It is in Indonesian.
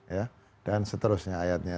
ya dan seterusnya ayatnya